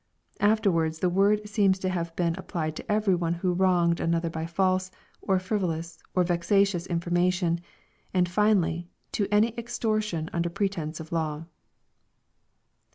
Afterwards the word seems to have been applied to every one who wronged another by false, or frivolous, or vexatious information, and finally, to any extortion under pre tence of law.